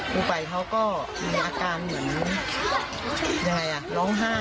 ไปเขาก็มีอาการเหมือนยังไงอ่ะร้องไห้